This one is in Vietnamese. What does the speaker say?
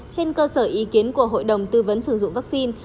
trên cơ sở ý kiến của hội đồng tư vấn sử dụng vaccine